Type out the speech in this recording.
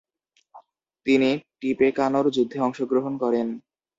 তিনি টিপেকানোর যুদ্ধে অংশগ্রহণ করেন।